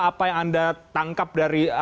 apa yang anda tangkap dari